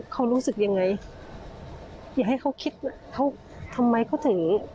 เขารู้สึกยังไงอย่าให้เขาคิดว่าเขาทำไมเขาถึง